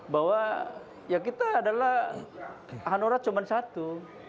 bahwa ya kita adalah hanura cuma satu